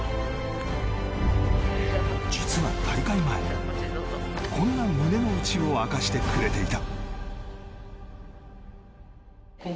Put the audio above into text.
実は大会前、こんな胸の内を明かしてくれていた。